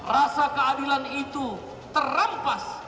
rasa keadilan itu terampas